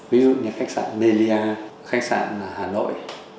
ví dụ như khách sạn melia khách sạn hà nội